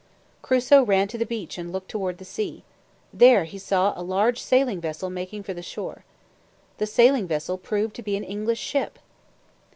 Crusoe ran to the beach and looked toward the sea. There he saw a large sailing vessel making for the shore. The sailing vessel proved to be an English ship.